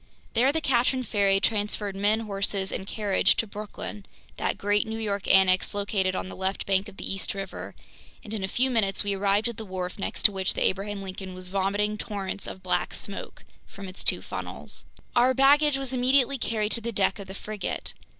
There the Katrin ferry transferred men, horses, and carriage to Brooklyn, that great New York annex located on the left bank of the East River, and in a few minutes we arrived at the wharf next to which the Abraham Lincoln was vomiting torrents of black smoke from its two funnels. Our baggage was immediately carried to the deck of the frigate.